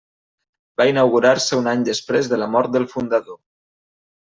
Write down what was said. Va inaugurar-se un any després de la mort del fundador.